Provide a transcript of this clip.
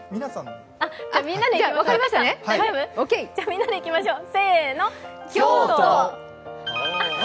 みんなでいきましょう。